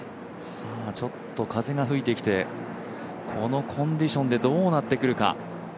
ちょっと風が吹いてきて、このコンディションでどうなってくるか。